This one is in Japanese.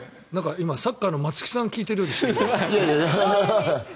今、サッカーの松木さんを聞いているようでしたけど。